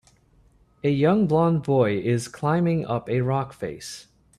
A young blond boy is climbing up a rock face.